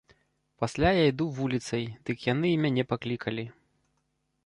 Пасля я іду вуліцай, дык яны і мяне паклікалі.